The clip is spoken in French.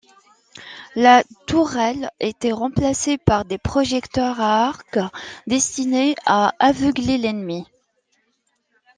La tourelle était remplacée par des projecteurs à arc destinés à aveugler l'ennemi.